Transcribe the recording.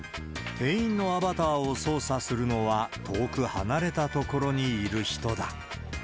店員のアバターを操作するのは遠く離れた所にいる人だ。